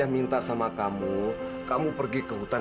sini ayah mau bicara